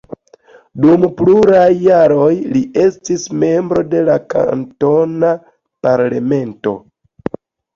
Dum pluraj jaroj li estis membro de la kantona parlamento.